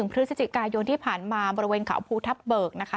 พฤศจิกายนที่ผ่านมาบริเวณเขาภูทับเบิกนะคะ